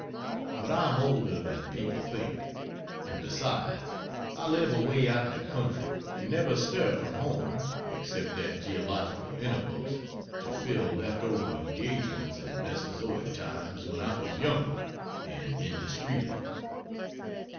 But I am older than people think, and besides I live away out in the country and never stir from home, except at geological intervals, to fill left over engagements in mesozoic times when I was younger and indiscreeter.